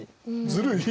ずるい？